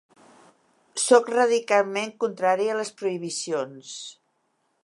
Sóc radicalment contrari a les prohibicions.